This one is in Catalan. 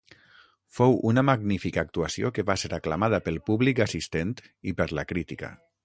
Fou una magnífica actuació que va ser aclamada pel públic assistent i per la crítica.